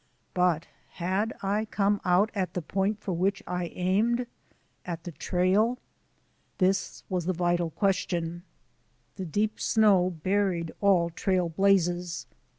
But had I come out at the point for which I aimed — at the trail? This was the vital question. The deep snow buried all trail blazes.